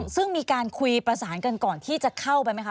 ซึ่งมีการคุยประสานกันก่อนที่จะเข้าไปไหมคะ